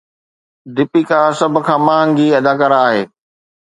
ديپيڪا سڀ کان مهانگي اداڪارا آهي